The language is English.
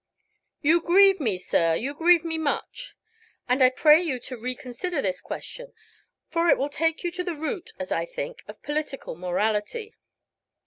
"You grieve me, sir; you grieve me much. And I pray you to reconsider this question, for it will take you to the root, as I think, of political morality.